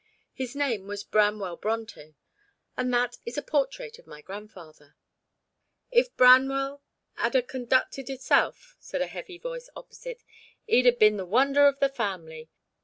His name was Branwell Brontë, and that is a portrait of my grandfather." "If Branwell 'ad a conducted hisself," said a heavy voice opposite, "'ee'd a been the wonder of the family.